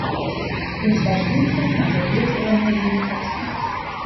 In zwei Spielzeiten absolvierte er nur sieben Partien.